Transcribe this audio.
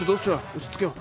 落ち着けよ。